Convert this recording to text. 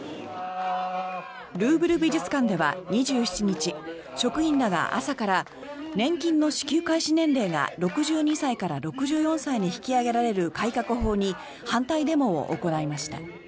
ルーブル美術館では２７日職員らが朝から年金の支給開始年齢が６２歳から６４歳に引き上げられる改革法に反対デモを行いました。